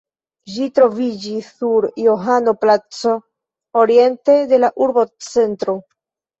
Ĝi troviĝis sur Johano-placo, oriente de la urbocentro.